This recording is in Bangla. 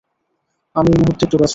আমি এই মুহূর্তে একটু ব্যস্ত।